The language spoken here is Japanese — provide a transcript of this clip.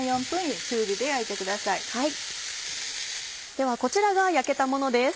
ではこちらが焼けたものです。